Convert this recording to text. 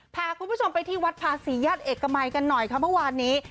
พาคุณผู้ชมไปที่วัดภาษีญาติเอกมัยกันหน่อยค่ะเมื่อวานนี้